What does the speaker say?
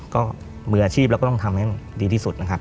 ก็มืออาชีพเราก็ต้องทำให้ดีที่สุดนะครับ